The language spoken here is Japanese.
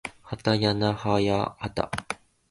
はたやなはやはた